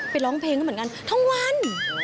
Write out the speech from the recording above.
ร้องเพลงก็เหมือนกันทั้งวัน